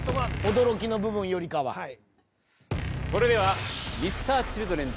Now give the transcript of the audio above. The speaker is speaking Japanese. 驚きの部分よりかははいそれではＭｒ．Ｃｈｉｌｄｒｅｎ